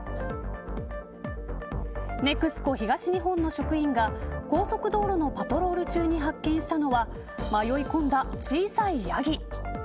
ＮＥＸＣＯ東日本の職員が高速道路のパトロール中に発見したのは迷い込んだ小さいヤギ。